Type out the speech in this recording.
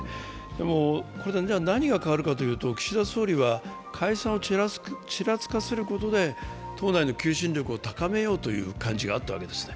でも、何が変わるかというと岸田総理は解散をちらつかせることで党内の求心力を高めようという感じがあったわけですね。